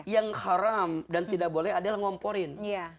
yang haram dan tidak boleh adalah ngomporin